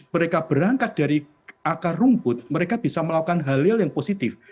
mereka berangkat dari akar rumput mereka bisa melakukan halil yang positif